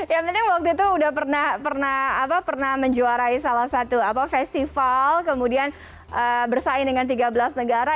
yang penting waktu itu udah pernah menjuarai salah satu festival kemudian bersaing dengan tiga belas negara